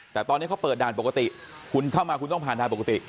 แต่ตอนนี้เขาเปิดด่านปกติคุณเข้ามาคุณต้องผ่านด่านปกติ